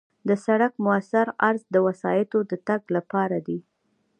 د سړک موثر عرض د وسایطو د تګ لپاره دی